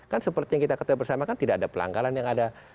kan seperti yang kita ketahui bersama kan tidak ada pelanggaran yang ada